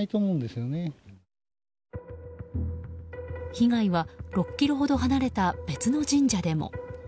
被害は６ｋｍほど離れた別の神社でも。